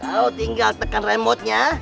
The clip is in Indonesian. kau tinggal tekan remotenya